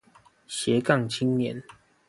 斜槓青年